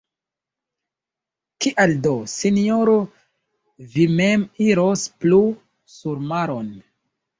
Kial do, sinjoro, vi mem iros plu surmaron?